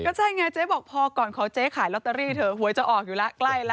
ก็ใช่ไงเจ๊บอกพอก่อนขอเจ๊ขายลอตเตอรี่เถอะหวยจะออกอยู่แล้วใกล้แล้ว